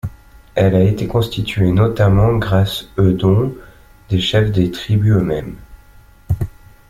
Elle a été constituée notamment grâce eux dons des chefs des tribus eux-mêmes.